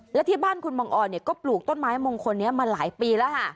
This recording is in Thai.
และที่บ้านคุณบังออนก็ปลูกต้นไม้มงคลนี้มาหลายปีแล้วค่ะ